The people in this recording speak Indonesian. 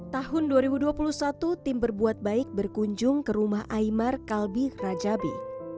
tahun dua ribu dua puluh satu tim berbuat baik berkunjung ke rumah aymar kalbi rajabi